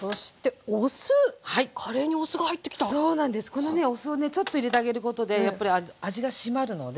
このねお酢をねちょっと入れてあげることでやっぱり味が締まるので。